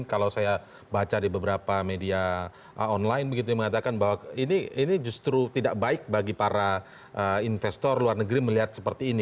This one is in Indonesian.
kalau saya baca di beberapa media online begitu yang mengatakan bahwa ini justru tidak baik bagi para investor luar negeri melihat seperti ini